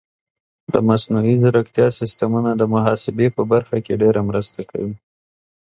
د مصنوعي ځیرکتیا سیستمونه د محاسبې په برخه کې ډېره مرسته کوي.